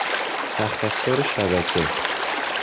سخت افزار شبکه